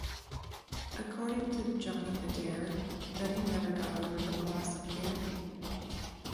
According to Johnny Adair, Duddy never got over the loss of "Bambi".